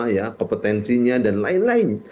ya kompetensinya dan lain lain